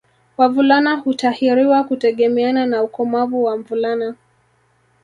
Wavulana hutahiriwa kutegemeana na ukomavu wa mvulana